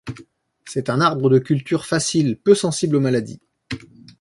C'est un arbre de culture facile peu sensible aux maladies.